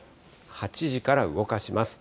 ８時から動かします。